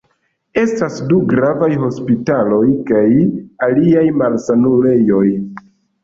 Estas du gravaj hospitaloj kaj aliaj malsanulejoj.